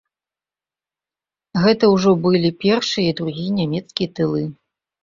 Гэта ўжо былі першыя і другія нямецкія тылы.